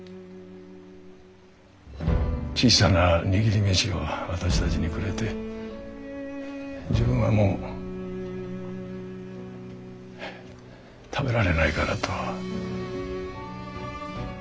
小さな握り飯を私たちにくれて自分はもう食べられないからと。